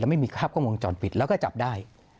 ไม่มีภาพกล้องวงจรปิดแล้วก็จับได้